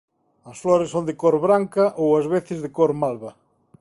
As flores son de cor branca ou ás veces de cor malva.